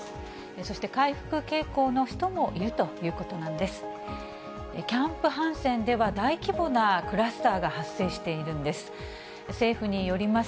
そして回復傾向の人もいるということなんです。